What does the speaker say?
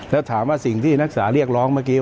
แล้วถามว่าสิ่งที่นักศึกษาเรียกร้องเมื่อกี้